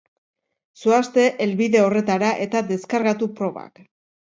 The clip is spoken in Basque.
Zoazte helbide horretara eta deskargatu probak.